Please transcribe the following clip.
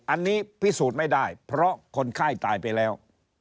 อันนี้พิสูจน์ไม่ได้เพราะคนไข้ตายไปแล้ว